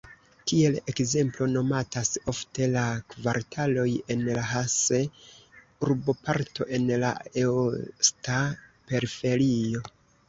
Kiel ekzemplo nomatas ofte la kvartaloj en la Hanse-urboparto en la eosta periferio.